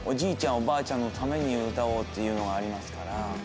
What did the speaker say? おばあちゃんのために歌おうっていうのがありますから。